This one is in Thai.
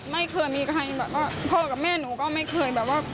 ไม่เคยมีใครแบบว่าพ่อกับแม่หนูก็ไม่เคยแบบว่า